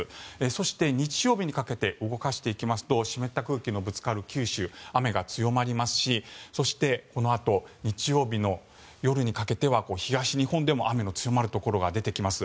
そして、日曜日にかけて動かしていきますと湿った空気のぶつかる九州雨が強まりますしそして、このあと日曜日の夜にかけては東日本でも雨の強まるところが出てきます。